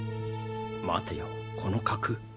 待てよこの「角」